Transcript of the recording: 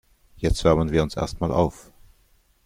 Jetzt wärmen wir uns erst mal auf.